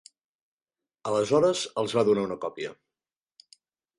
Aleshores, els va donar una còpia.